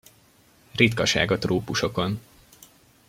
Ritkaság a trópusokon.